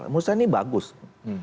menurut saya ini sudah berhasil